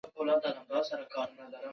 د هغې پر قبر اختلاف شته.